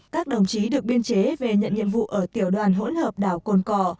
các đồng chí được biên chế về nhận nhiệm vụ ở tiểu đoàn hỗn hợp đảo cồn cỏ